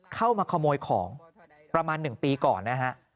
เข้ามาขโมยของประมาณ๑ปีก่อนนะฮะ